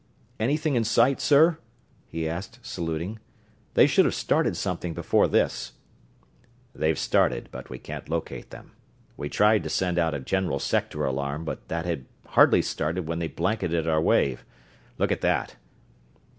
"Anything in sight, sir?" he asked, saluting. "They should have started something before this." "They've started, but we can't locate them. We tried to send out a general sector alarm, but that had hardly started when they blanketed our wave. Look at that!"